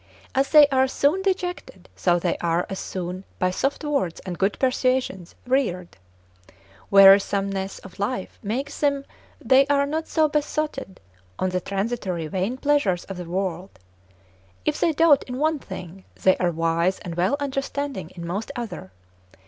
As they are soon dejected, so they are as soon, by soft words and good persuasions, reared. Wearisomeness of life makes them they are not so besotted on the transitory vain pleasures of the world. If they dote in one thing, they are wise and well understanding in most other.